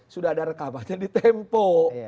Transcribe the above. sudah ada rekamannya di tempo